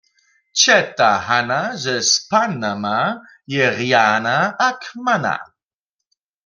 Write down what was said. Ćeta Hana zes Panama je rjana a kmana.